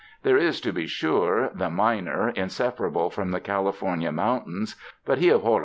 There is, to be sure, the miner, inseparable from the California mountains, but he of